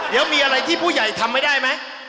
เดี๋ยวมีอะไรที่ผู้ใหญ่ทำไม่ได้ไหม